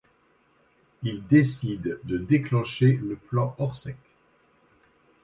Il décide de déclencher le plan Orsec.